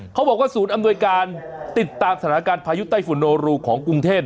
เขาบอกว่าศูนย์อำนวยการติดตามสถานการณ์พายุไต้ฝุ่นโนรูของกรุงเทพ